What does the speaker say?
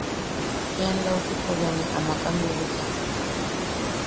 Ian lautipo bea ne amak ne am bibicha.